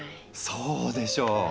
そうでしょう！